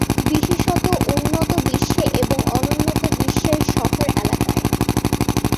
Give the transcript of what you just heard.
বিশেষত উন্নত বিশ্বে এবং অনুন্নত বিশ্বের শহর এলাকায়।